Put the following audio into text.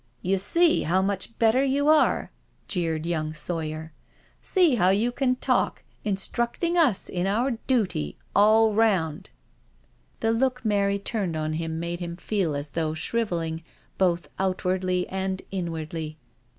" You see how much better you are," jeered young Sawyer. " See how you can talk — instructing us in our duty, all round I" 294 NO SURRENDER The look Mary turned on him made him feel as though shrivelling, both outwardly and inwardly.